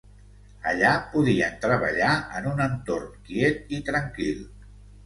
Allà podien treballar en un entorn quiet i tranquil.